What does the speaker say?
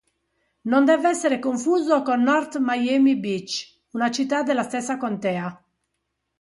Non deve essere confuso con North Miami Beach, una città della stessa contea.